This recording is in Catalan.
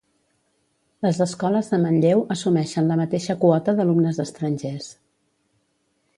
Les escoles de Manlleu assumeixen la mateixa quota d'alumnes estrangers.